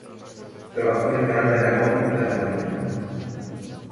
Trabajó en el Canal de Aragón y Cataluña.